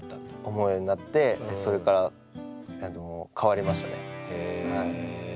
思うようになってでそれから変わりましたね。